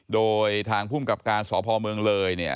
โดยทางภูมิกับการสพเมืองเลยเนี่ย